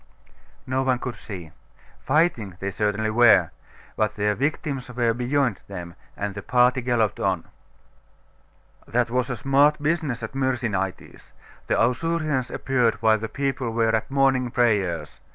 No one could see. Fighting they certainly were: but their victims were beyond them, and the party galloped on. 'That was a smart business at Myrsinitis. The Ausurians appeared while the people were at morning prayers.